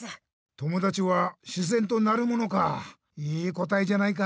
友だちは自然となるものかあいい答えじゃないか。